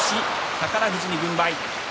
宝富士に軍配。